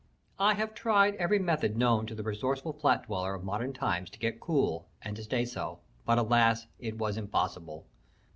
I had tried every method known to the resourceful flat dweller of modern times to get cool and to stay so, but alas, it was impossible.